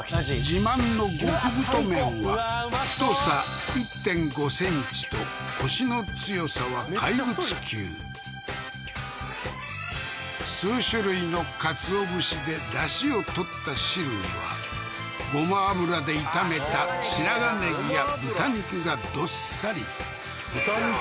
自慢の極太麺は太さ１．５ｃｍとコシの強さは怪物級数種類のかつお節でダシを取った汁はごま油で炒めた白髪ネギや豚肉がどっさり豚肉？